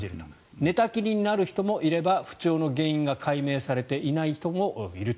寝たきりになる人もいれば不調の原因が解明されていない人もいると。